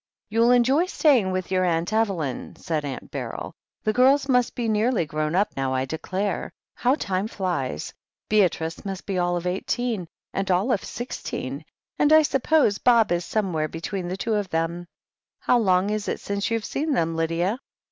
"You'll enjoy staying with your Aunt Evelyn," said Aunt Beryl. "The girls must be nearly grown up now, I declare. How time flies ! Beatrice must be all of eighteen, and Olive sixteen, and I suppose Bob is somewhere between the two of them. How long is it since you've seen them, Lydia?"